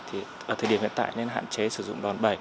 thì ở thời điểm hiện tại nên hạn chế sử dụng đòn bẩy